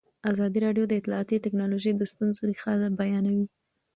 ازادي راډیو د اطلاعاتی تکنالوژي د ستونزو رېښه بیان کړې.